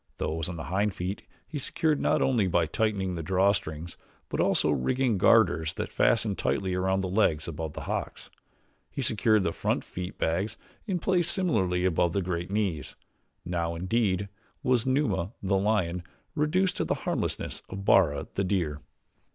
Those on the hind feet he secured not only by tightening the draw strings but also rigged garters that fastened tightly around the legs above the hocks. He secured the front feet bags in place similarly above the great knees. Now, indeed, was Numa, the lion, reduced to the harmlessness of Bara, the deer.